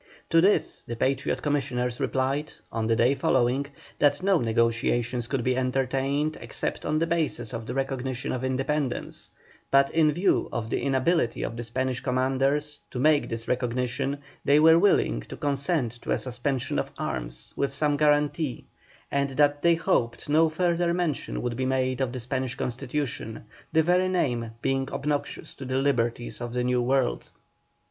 To this the Patriot Commissioners replied, on the day following, that no negotiations could be entertained except on the basis of the recognition of independence, but in view of the inability of the Spanish Commanders to make this recognition, they were willing to consent to a suspension of arms, with some guarantee, and that they hoped no further mention would be made of the Spanish Constitution, the very name being obnoxious to the liberties of the New World.